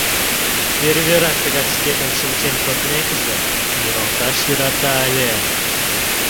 Перверак, тыгак шкетын шинчен кодмекыже, муралташ йӧрата ыле.